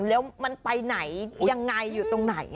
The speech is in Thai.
แล้วมันไปไหนยังไงอยู่ตรงไหน